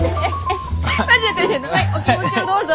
はいお気持ちをどうぞ！